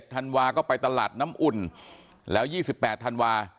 ธันวาก็ไปตลาดน้ำอุ่นแล้ว๒๘ธันวา